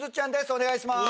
お願いします